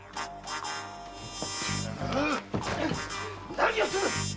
何をする！